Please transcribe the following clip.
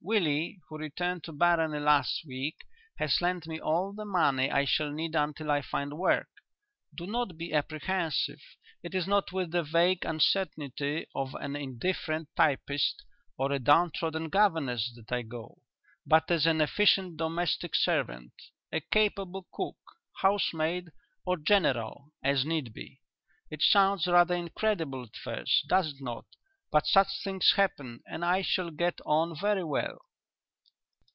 Willie, who returned to Barony last week, has lent me all the money I shall need until I find work. Do not be apprehensive. It is not with the vague uncertainty of an indifferent typist or a downtrodden governess that I go, but as an efficient domestic servant a capable cook, housemaid or 'general,' as need be. It sounds rather incredible at first, does it not, but such things happen, and I shall get on very well.